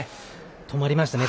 止まりましたね。